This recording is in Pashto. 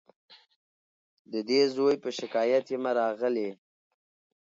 د دې زوی په شکایت یمه راغلې